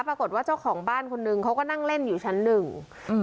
เจ้าของบ้านคนนึงเขาก็นั่งเล่นอยู่ชั้นหนึ่งอืม